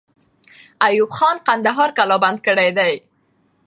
ایوب خان کندهار قلابند کړی دی.